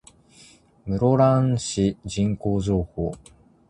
室蘭市人口情報